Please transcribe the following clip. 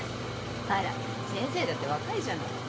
あら先生だって若いじゃない。